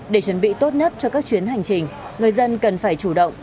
để chuẩn bị tốt nhất cho các chuyến hành trình người dân cần phải chủ động